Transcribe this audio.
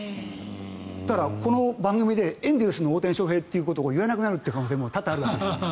だから、この番組でエンゼルスの大谷翔平ということを言わなくなるという可能性も多々あるわけです。